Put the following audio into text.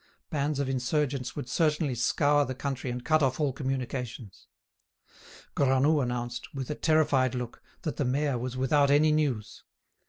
Bands of insurgents would certainly scour the country and cut off all communications. Granoux announced, with a terrified look, that the mayor was without any news.